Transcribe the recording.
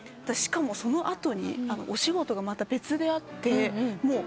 しかもその後にお仕事がまた別であって。